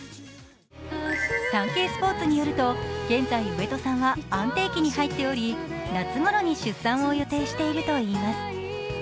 「サンケイスポーツ」によると現在、上戸さんは安定期に入っており夏ごろに出産を予定しているといいます。